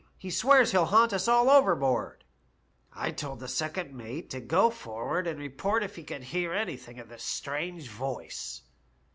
He swears he'll haunt us all overboard.' I told the second mate to go forward and report if he could hear anything of this strange voice.